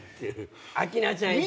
明菜ちゃんいて。